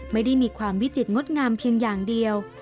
ไม่ได้มีความวิจิตรงดงามเพียงอย่างเดียว